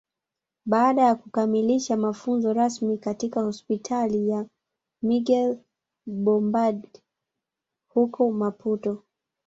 Baada ya kukamilisha mafunzo rasmi katika Hospitali ya Miguel Bombarda huko Maputo